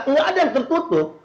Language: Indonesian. enggak ada yang tertutup